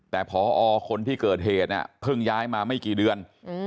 แต่พอคนที่เกิดเหตุเพิ่งย้ายมาไม่กี่เดือน